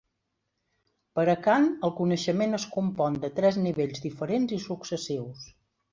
Per a Kant el coneixement es compon de tres nivells diferents i successius.